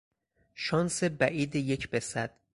شانس بعید یک به صد